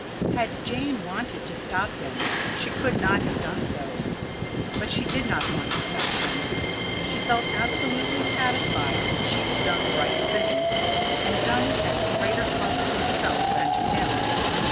Had Jane wanted to stop him she could not have done so. But she did not want to stop him. She felt absolutely satisfied that she had done the right thing, and done it at greater cost to herself than to him.